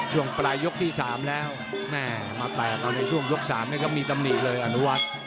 ช่วงปลายยกที่๓แล้วแม่มาแตกเราในช่วงยก๓นี่ก็มีตำหนิเลยอนุวัฒน์